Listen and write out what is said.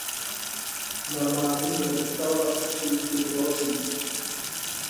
Normální je instalovat skříňky v blocích.